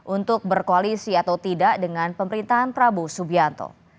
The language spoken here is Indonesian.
untuk berkoalisi atau tidak dengan pemerintahan prabowo subianto